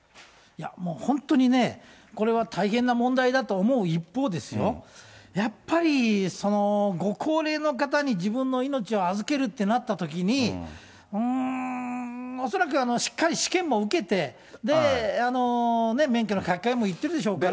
本当にね、これは大変な問題だと思う一方ですよ、やっぱりご高齢の方に自分の命を預けるってなったときに、うーん、恐らくしっかり試験も受けて、で、免許の書き換えも行ってるでしょうから。